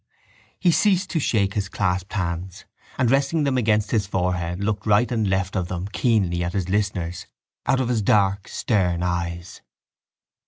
He ceased to shake his clasped hands and, resting them against his forehead, looked right and left of them keenly at his listeners out of his dark stern eyes.